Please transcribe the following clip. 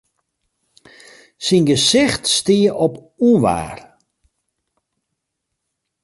Syn gesicht stie op ûnwaar.